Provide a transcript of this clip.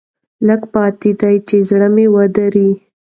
لېږ پاتې دي چې زړه مې ودري.